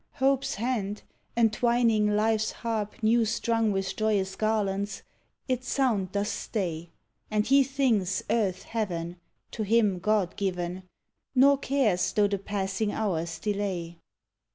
Hope's hand, entwining life's harp new strung with joyous garlands, its sound doth stay, And he thinks earth heaven, to him God given, nor cares though the passing hours delay.